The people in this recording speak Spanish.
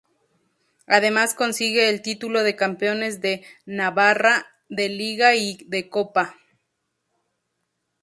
Además consigue el título de Campeones de Navarra de liga y de copa.